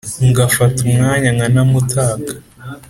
Ngafata umwanya nkanamutaka